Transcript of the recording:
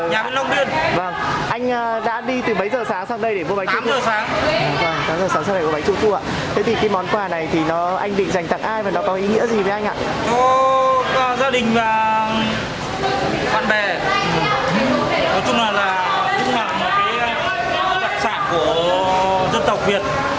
cho gia đình và bạn bè chúc mọi người là một đặc sản của dân tộc việt